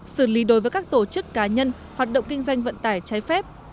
xử lý đối với các tổ chức cá nhân hoạt động kinh doanh vận tải trái phép